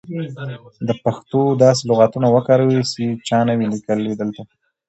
د پښتو داسې لغاتونه وکاروئ سی چا نه وې لیکلي دلته.